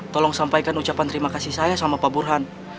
tolong sampaikan ucapan terima kasih saya sama pak burhan